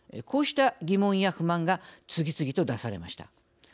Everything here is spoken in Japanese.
こうした疑問や不満が次々と出されました。